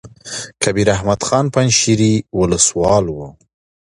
کبیر احمد خان پنجشېري ولسوال وو.